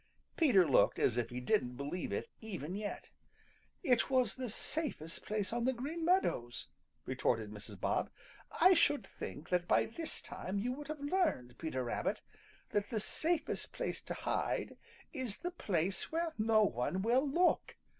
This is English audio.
Peter looked as if he didn't believe it even yet. "It was the safest place on the Green Meadows," retorted Mrs. Bob. "I should think that by this time you would have learned, Peter Rabbit, that the safest place to hide is the place where no one will look.